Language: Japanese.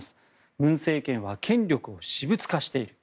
文政権は権力を私物化している。